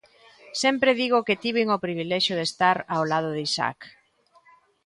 Sempre digo que tiven o privilexio de estar ao lado de Isaac.